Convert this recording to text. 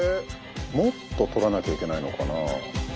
もっととらなきゃいけないのかな？